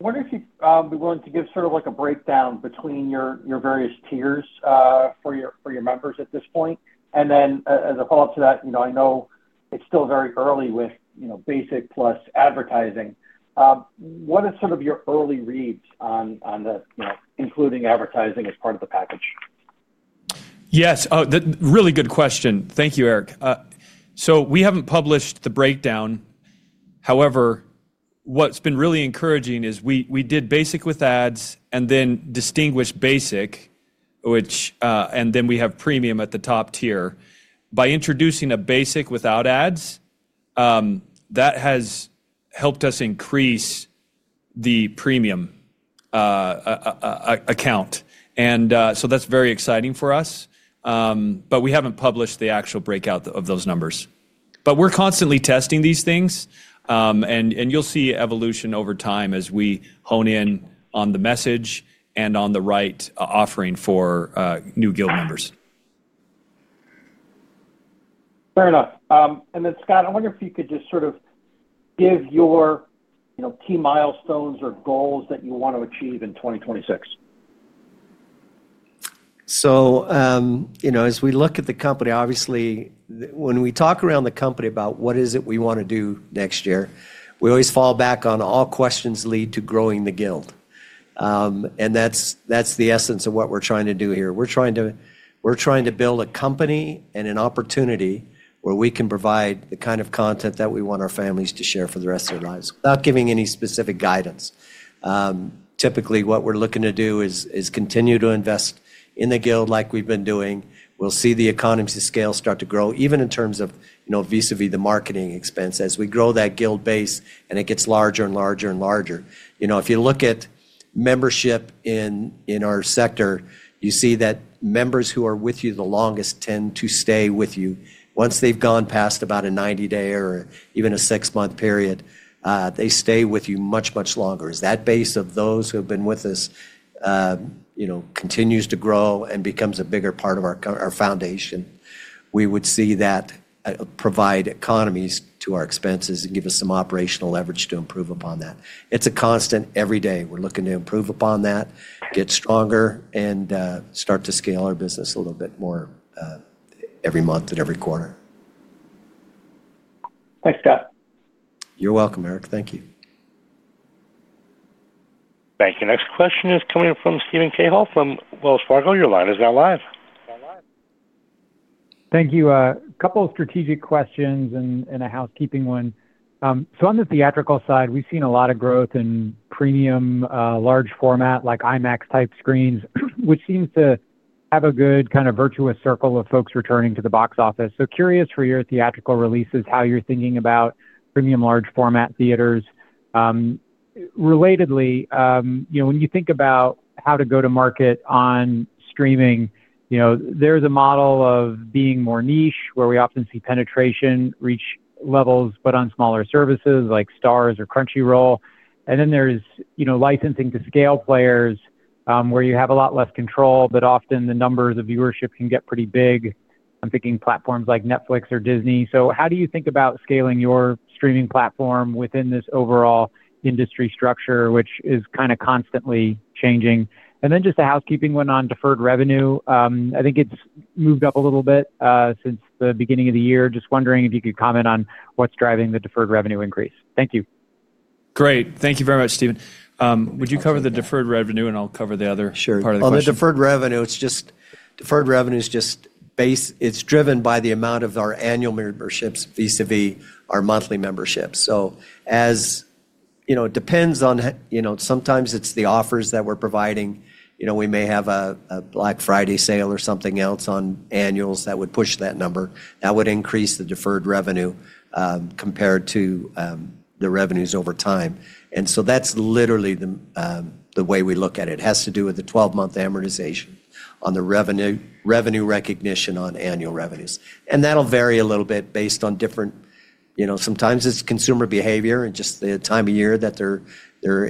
Wonder if you'd be willing to give sort of a breakdown between your various tiers for your members at this point. As a follow-up to that, I know it's still very early with basic plus advertising. What are sort of your early reads on including advertising as part of the package? Yes. Really good question. Thank you, Eric. We haven't published the breakdown. However, what's been really encouraging is we did basic with ads and then distinguished basic, and then we have premium at the top tier. By introducing a basic without ads, that has helped us increase the premium account. That is very exciting for us. We haven't published the actual breakout of those numbers. We're constantly testing these things. You'll see evolution over time as we hone in on the message and on the right offering for new Guild members. Fair enough. Scott, I wonder if you could just sort of give your key milestones or goals that you want to achieve in 2026. As we look at the company, obviously, when we talk around the company about what is it we want to do next year, we always fall back on all questions lead to growing the Guild. That is the essence of what we are trying to do here. We are trying to build a company and an opportunity where we can provide the kind of content that we want our families to share for the rest of their lives. Without giving any specific guidance, typically what we are looking to do is continue to invest in the Guild like we have been doing. We'll see the economies of scale start to grow, even in terms of vis-à-vis the marketing expense as we grow that Guild base and it gets larger and larger and larger. If you look at membership in our sector, you see that members who are with you the longest tend to stay with you. Once they've gone past about a 90-day or even a six-month period, they stay with you much, much longer. As that base of those who have been with us continues to grow and becomes a bigger part of our foundation, we would see that provide economies to our expenses and give us some operational leverage to improve upon that. It's a constant every day. We're looking to improve upon that, get stronger, and start to scale our business a little bit more every month and every quarter. Thanks, Scott. You're welcome, Eric. Thank you. Thank you. Next question is coming from Steven Cahill from Wells Fargo. Your line is now live. Thank you. A couple of strategic questions and a housekeeping one. On the theatrical side, we've seen a lot of growth in premium large format like IMAX-type screens, which seems to have a good kind of virtuous circle of folks returning to the box office. Curious for your theatrical releases, how you're thinking about premium large format theaters. Relatedly, when you think about how to go to market on streaming, there's a model of being more niche where we often see penetration, reach levels, but on smaller services like Starz or Crunchyroll. Then there's licensing to scale players where you have a lot less control, but often the numbers of viewership can get pretty big. I'm thinking platforms like Netflix or Disney. How do you think about scaling your streaming platform within this overall industry structure, which is kind of constantly changing? Just a housekeeping one on deferred revenue. I think it's moved up a little bit since the beginning of the year. Just wondering if you could comment on what's driving the deferred revenue increase. Thank you. Great. Thank you very much, Steven. Would you cover the deferred revenue, and I'll cover the other part of the question? Sure. The deferred revenue is just based, it's driven by the amount of our annual memberships vis-à-vis our monthly membership. It depends on, sometimes it's the offers that we're providing. We may have a Black Friday sale or something else on annuals that would push that number. That would increase the deferred revenue compared to the revenues over time. That is literally the way we look at it. It has to do with the 12-month amortization on the revenue recognition on annual revenues. That will vary a little bit based on different, sometimes it is consumer behavior and just the time of year that they are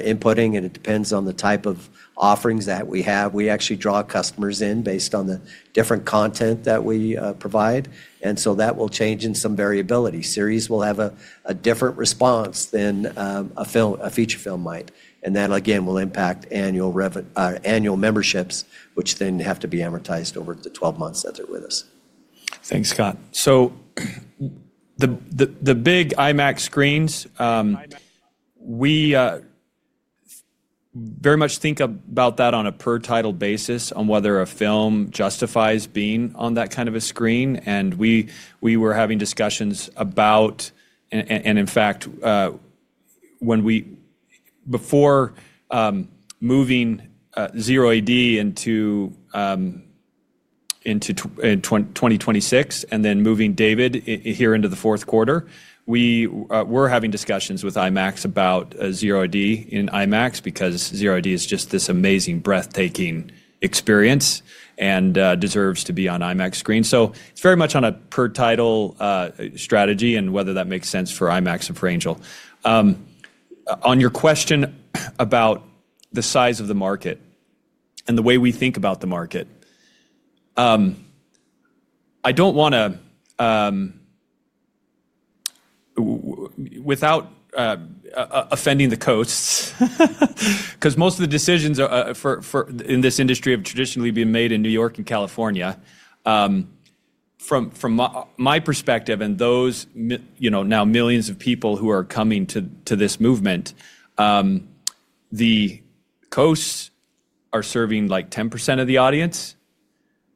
inputting. It depends on the type of offerings that we have. We actually draw customers in based on the different content that we provide. That will change in some variability. Series will have a different response than a feature film might. That, again, will impact annual memberships, which then have to be amortized over the 12 months that they are with us. Thanks, Scott. The big IMAX screens, we very much think about that on a per-title basis on whether a film justifies being on that kind of a screen. We were having discussions about, and in fact, before moving Zero A.D. into 2026 and then moving David here into the fourth quarter, we were having discussions with IMAX about Zero A.D. in IMAX because Zero A.D. is just this amazing, breathtaking experience and deserves to be on IMAX screens. It is very much on a per-title strategy and whether that makes sense for IMAX and for Angel. On your question about the size of the market and the way we think about the market, I do not want to, without offending the coasts, because most of the decisions in this industry have traditionally been made in New York and California. From my perspective and those now millions of people who are coming to this movement, the coasts are serving like 10% of the audience.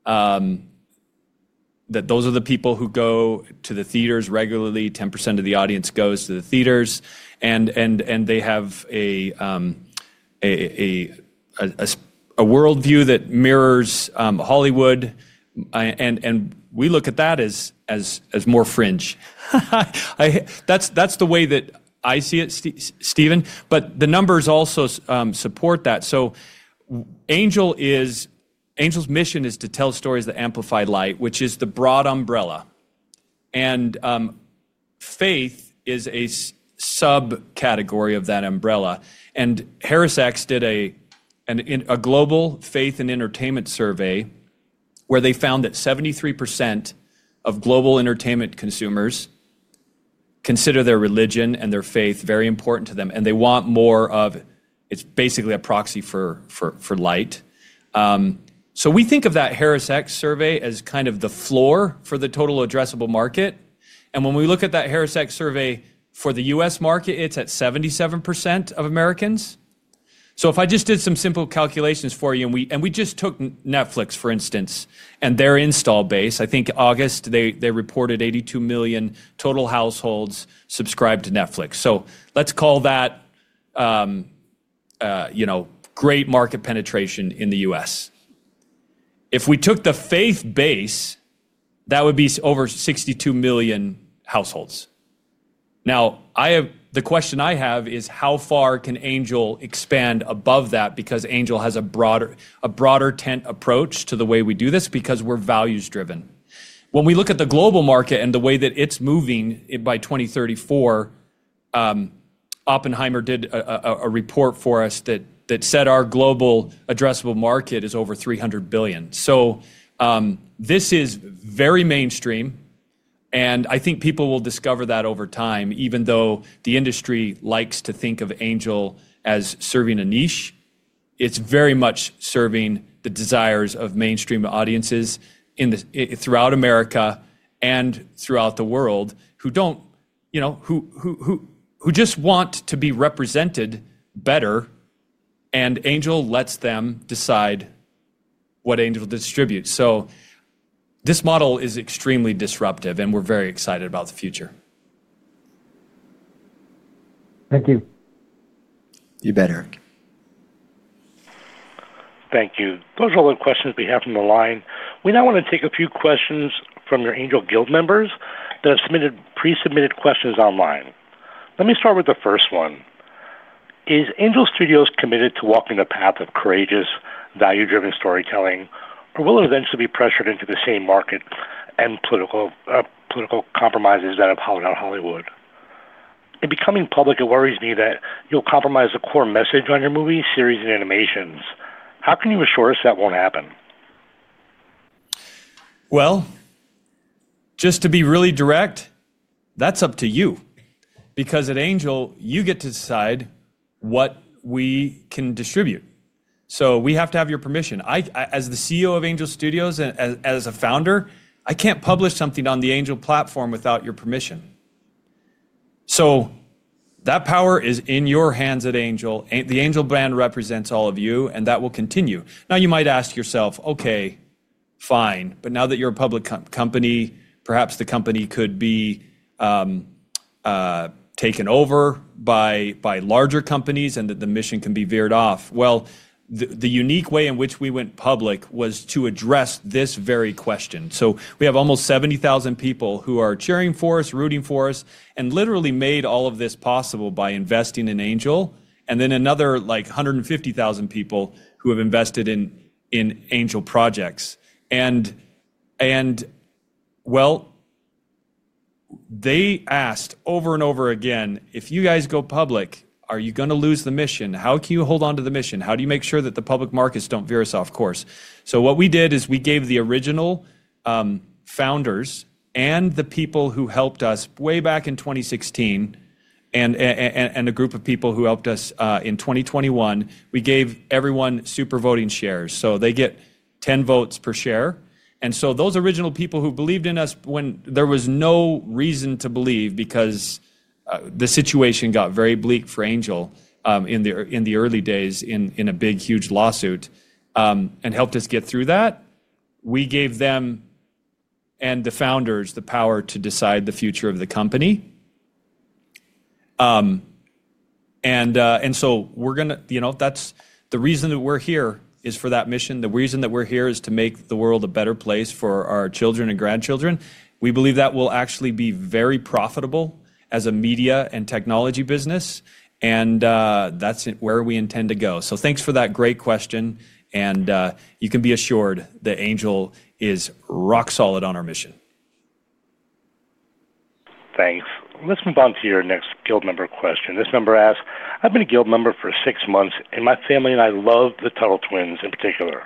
Those are the people who go to the theaters regularly. 10% of the audience goes to the theaters. They have a worldview that mirrors Hollywood. We look at that as more fringe. That is the way that I see it, Steven. The numbers also support that. Angel's mission is to tell stories that amplify light, which is the broad umbrella. Faith is a subcategory of that umbrella. HarrisX did a global faith and entertainment survey where they found that 73% of global entertainment consumers consider their religion and their faith very important to them. They want more of it; it is basically a proxy for light. We think of that HarrisX survey as kind of the floor for the total addressable market. When we look at that HarrisX survey for the U.S. market, it is at 77% of Americans. If I just did some simple calculations for you, and we just took Netflix, for instance, and their install base, I think August, they reported 82 million total households subscribed to Netflix. Let's call that great market penetration in the U.S. If we took the faith base, that would be over 62 million households. Now, the question I have is how far can Angel expand above that because Angel has a broader tent approach to the way we do this because we're values-driven. When we look at the global market and the way that it's moving by 2034, Oppenheimer did a report for us that said our global addressable market is over $300 billion. This is very mainstream. I think people will discover that over time. Even though the industry likes to think of Angel as serving a niche, it is very much serving the desires of mainstream audiences throughout America and throughout the world who just want to be represented better. Angel lets them decide what Angel distributes. This model is extremely disruptive, and we are very excited about the future. Thank you. You bet, Eric. Thank you. Those are all the questions we have on the line. We now want to take a few questions from your Angel Guild members that have pre-submitted questions online. Let me start with the first one. Is Angel Studios committed to walking the path of courageous, value-driven storytelling, or will it eventually be pressured into the same market and political compromises that have hollowed out Hollywood? In becoming public, it worries me that you will compromise the core message on your movies, series, and animations. How can you assure us that won't happen? Just to be really direct, that's up to you. Because at Angel, you get to decide what we can distribute. We have to have your permission. As the CEO of Angel Studios and as a founder, I can't publish something on the Angel platform without your permission. That power is in your hands at Angel. The Angel brand represents all of you, and that will continue. You might ask yourself, "Okay, fine. But now that you're a public company, perhaps the company could be taken over by larger companies and that the mission can be veered off." The unique way in which we went public was to address this very question. We have almost 70,000 people who are cheering for us, rooting for us, and literally made all of this possible by investing in Angel. Another 150,000 people have invested in Angel projects. They asked over and over again, "If you guys go public, are you going to lose the mission? How can you hold on to the mission? How do you make sure that the public markets do not veer us off course?" What we did is we gave the original founders and the people who helped us way back in 2016 and a group of people who helped us in 2021, we gave everyone super voting shares. They get 10 votes per share. Those original people who believed in us when there was no reason to believe because the situation got very bleak for Angel in the early days in a big, huge lawsuit and helped us get through that, we gave them and the founders the power to decide the future of the company. We're going to the reason that we're here is for that mission. The reason that we're here is to make the world a better place for our children and grandchildren. We believe that will actually be very profitable as a media and technology business. That's where we intend to go. Thanks for that great question. You can be assured that Angel is rock solid on our mission. Thanks. Let's move on to your next Guild member question. This member asked, "I've been a Guild member for six months, and my family and I love the Tuttle Twins in particular.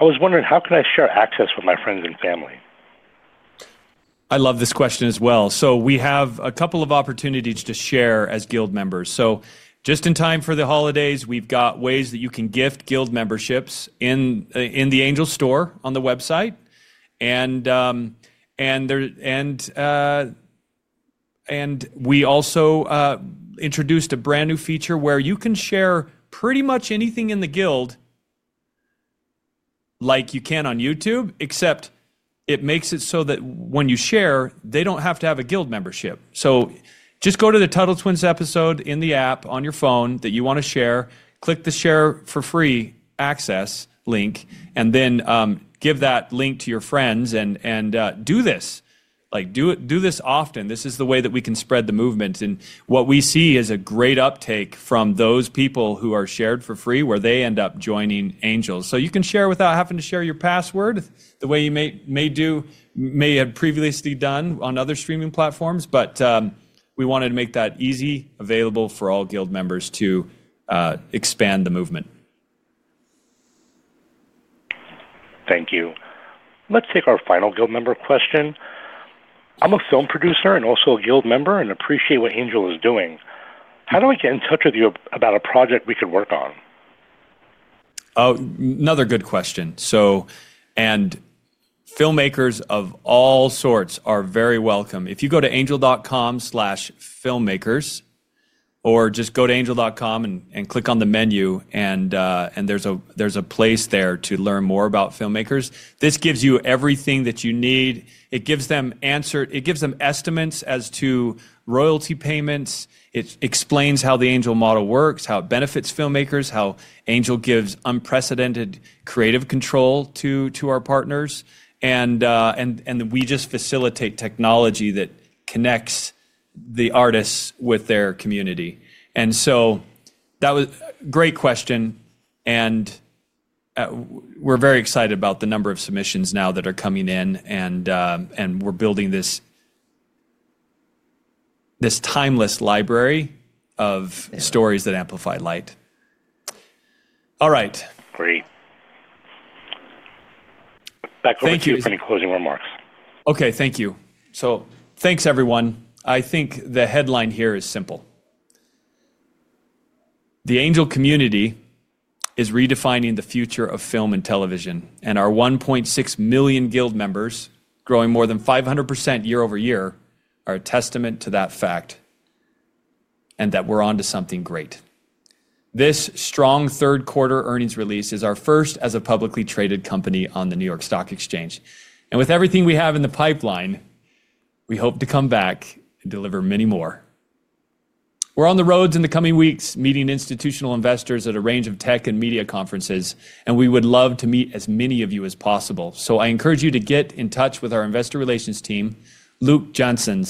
I was wondering, how can I share access with my friends and family?" I love this question as well. We have a couple of opportunities to share as Guild members. Just in time for the holidays, we've got ways that you can gift Guild memberships in the Angel Store on the website. We also introduced a brand new feature where you can share pretty much anything in the Guild like you can on YouTube, except it makes it so that when you share, they do not have to have a Guild membership. Just go to the Tuttle Twins episode in the app on your phone that you want to share, click the share-for-free access link, and then give that link to your friends and do this. Do this often. This is the way that we can spread the movement. What we see is a great uptake from those people who are shared for free where they end up joining Angel. You can share without having to share your password the way you may have previously done on other streaming platforms. We wanted to make that easy, available for all Guild members to expand the movement. Thank you. Let's take our final Guild member question. I'm a film producer and also a Guild member and appreciate what Angel is doing. How do I get in touch with you about a project we could work on? Another good question. Filmmakers of all sorts are very welcome. If you go to angel.com/filmmakers or just go to angel.com and click on the menu, there's a place there to learn more about filmmakers. This gives you everything that you need. It gives them estimates as to royalty payments. It explains how the Angel model works, how it benefits filmmakers, how Angel gives unprecedented creative control to our partners. We just facilitate technology that connects the artists with their community. That was a great question. We are very excited about the number of submissions now that are coming in. We are building this timeless library of stories that amplify light. All right. Great. Thank you for any closing remarks. Okay. Thank you. Thanks, everyone. I think the headline here is simple. The Angel community is redefining the future of film and television. Our 1.6 million Guild members, growing more than 500% year over year, are a testament to that fact and that we are on to something great. This strong third-quarter earnings release is our first as a publicly traded company on the New York Stock Exchange. With everything we have in the pipeline, we hope to come back and deliver many more. We're on the roads in the coming weeks, meeting institutional investors at a range of tech and media conferences. We would love to meet as many of you as possible. I encourage you to get in touch with our investor relations team, Luke Johnson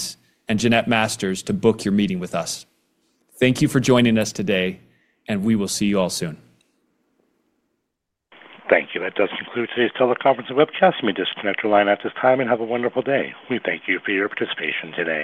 and Jeannette Masters, to book your meeting with us. Thank you for joining us today. We will see you all soon. Thank you. That does conclude today's Tuttle Conference and webcast. You may disconnect your line at this time and have a wonderful day. We thank you for your participation today.